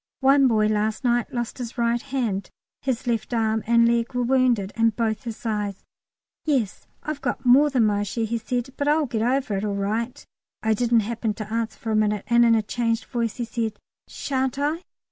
One boy last night had lost his right hand; his left arm and leg were wounded, and both his eyes. "Yes, I've got more than my share," he said, "but I'll get over it all right." I didn't happen to answer for a minute, and in a changed voice he said, "Shan't I?